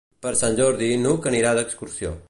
Per Sant Jordi n'Hug anirà d'excursió.